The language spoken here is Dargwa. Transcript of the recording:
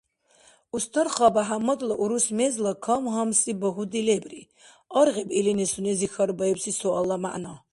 Устарха БяхӀяммадла урус мезла кам-гьамси багьуди лебри: аргъиб илини сунези хьарбаибси суалла мягӀна.